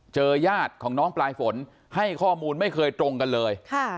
ญาติของน้องปลายฝนให้ข้อมูลไม่เคยตรงกันเลย